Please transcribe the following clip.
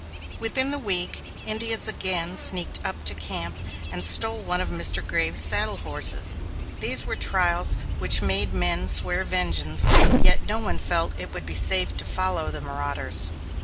Within the week, Indians again sneaked up to camp, and stole one of Mr. Graves's saddle horses. These were trials which made men swear vengeance, yet no one felt that it would be safe to follow the marauders.